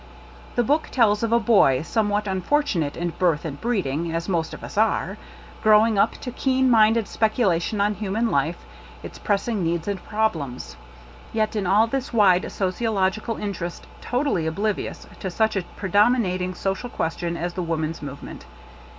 The book tells of a boy somewhat unfortunate in birth and breeding, as most of us are ; growing up to keen minded speculation on human life, its pressing needs and problems ; yet in all this wide sociological interest to tally oblivious to such a predominating social question as the woman's move ment.